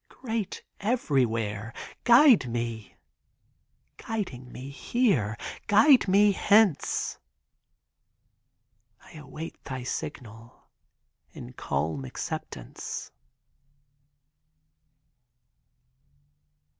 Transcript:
Great everywhere, guide me, Guiding me here, guide me hence. I await thy signal In calm acceptance.